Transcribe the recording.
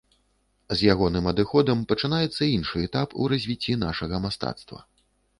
З ягоным адыходам пачынаецца іншы этап у развіцці нашага мастацтва.